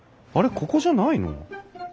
ここじゃないの？